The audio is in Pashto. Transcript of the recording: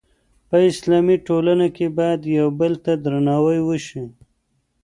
په اسلامي ټولنه کې باید یو بل ته درناوی وشي.